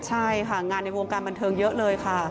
ใช่ค่ะงานในวงการบันเทิงเยอะเลยค่ะ